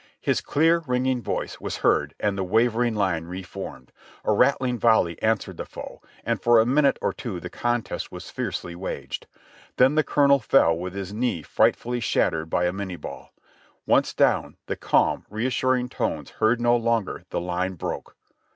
His clear, ringing voice was heard, and the wavering line reformed. A rattling volley answered the foe, and for a minute or two the contest was "fiercely waged. Then the colonel fell with his knee frightfully shattered by a Minie ball. Once down, the calm, reassuring tones heard no longer, the line broke.